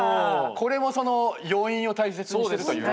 これもその余韻を大切にしてるというか。